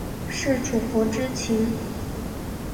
是主仆之情？